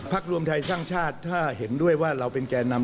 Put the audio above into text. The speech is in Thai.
รวมไทยสร้างชาติถ้าเห็นด้วยว่าเราเป็นแก่นำ